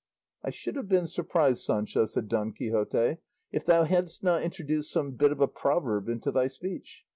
"I should have been surprised, Sancho," said Don Quixote, "if thou hadst not introduced some bit of a proverb into thy speech.